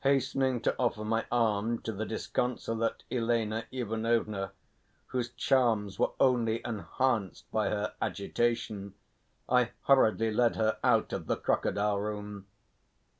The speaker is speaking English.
Hastening to offer my arm to the disconsolate Elena Ivanovna, whose charms were only enhanced by her agitation, I hurriedly led her out of the crocodile room.